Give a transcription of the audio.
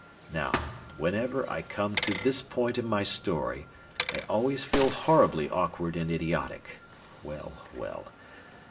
Now, whenever I come to this point in my story, I always feel horribly awkward and idiotic. Well, well!